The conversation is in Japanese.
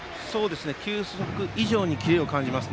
球速以上にキレを感じます。